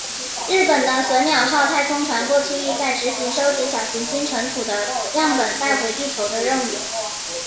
日本的隼鸟号太空船过去亦在执行收集小行星尘土的样本带回地球的任务。